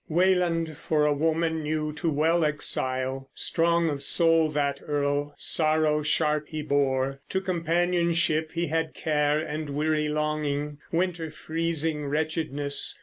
Weland for a woman knew too well exile. Strong of soul that earl, sorrow sharp he bore; To companionship he had care and weary longing, Winter freezing wretchedness.